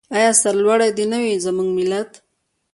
آیا سرلوړی دې نه وي زموږ ملت؟